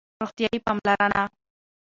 روغتیایی پاملرنه